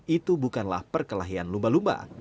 itu bukanlah perkelahian lumba lumba